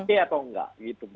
iya atau enggak